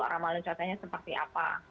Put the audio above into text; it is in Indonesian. ramalan cuacanya seperti apa